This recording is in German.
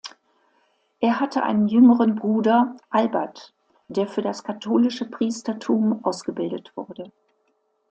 Er hatte einen jüngeren Bruder, Albert, der für das katholische Priestertum ausgebildet wurde.